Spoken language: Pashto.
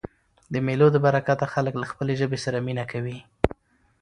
د مېلو له برکته خلک له خپلي ژبي سره مینه کوي.